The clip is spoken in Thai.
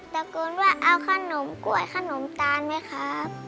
ตะโกนว่าเอาขนมกล้วยขนมตาลไหมครับ